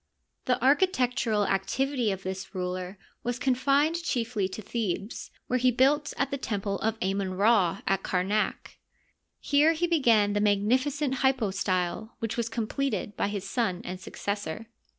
The architectural activity of this ruler was confined chiefly to Thebes, where he built at the temple of Amon Ra at Kamak. Here he began the magnificent hypo style, which was completed by his son and successor.